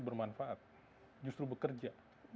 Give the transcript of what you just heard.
bermanfaat justru bekerja